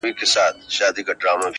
• د ورځي په رڼا کي ګرځي -